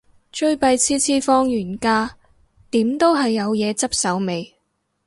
最弊次次放完假，點都係有嘢執手尾